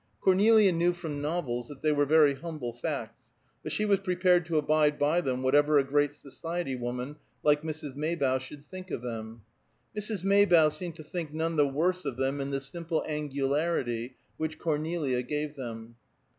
Cornelia knew from novels that they were very humble facts, but she was prepared to abide by them whatever a great society woman like Mrs. Maybough should think of them. Mrs. Maybough seemed to think none the worse of them in the simple angularity which Cornelia gave them.